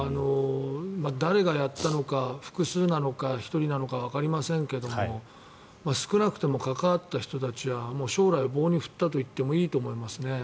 誰がやったのか、複数なのか１人なのかわかりませんけれど少なくとも関わった人たちは将来を棒に振ったと言ってもいいと思いますね。